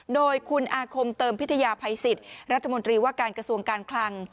โดยคุณอาคมเติมพิทยาภัยสิทธิ์รัฐตริวการสมุทรกัสวการคลัง